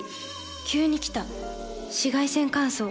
急に来た紫外線乾燥。